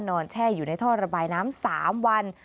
แช่อยู่ในท่อระบายน้ำ๓วัน